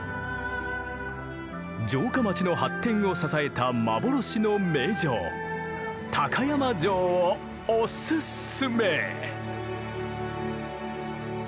城下町の発展を支えた幻の名城高山城をおすすめ！